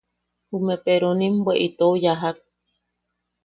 Jume peronim bwe itou yajak.